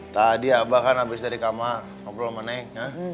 tadi abah kan abis dari kamar ngobrol sama naiknya